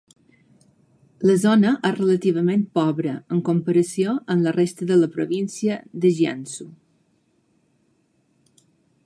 La zona és relativament pobra en comparació amb la resta de la província de Jiangsu.